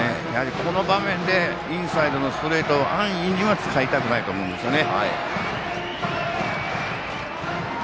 この場面でインサイドのストレートを安易には使いたくないと思うんですね。